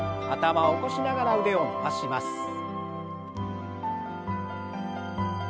頭を起こしながら腕を伸ばします。